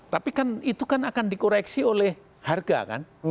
tapi kan itu kan akan dikoreksi oleh harga kan